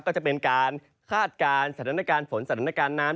ก็จะเป็นการคาดการณ์สถานการณ์ฝนสถานการณ์น้ำ